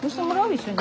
一緒に。